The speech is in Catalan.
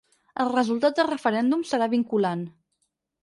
El resultat del referèndum serà vinculant.